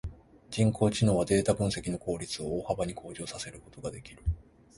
人工知能はデータ分析の効率を大幅に向上させることができる。